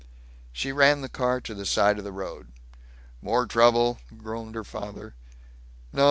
She ran the car to the side of the road. "More trouble?" groaned her father. "No.